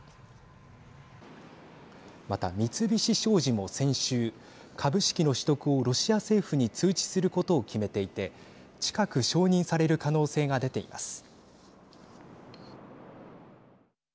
また、三菱商事も先週株式の取得をロシア政府に通知することを決めていて近く承認される可能性が出ています。